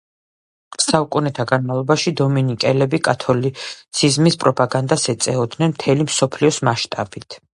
საუკუნეთა განმავლობაში, დომინიკელები კათოლიციზმის პროპაგანდას ეწეოდნენ მთელი მსოფლიოს მასშტაბით.